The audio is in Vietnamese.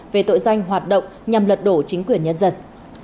về tội danh hoạt động nhằm lật đổ chính quyền nhân dân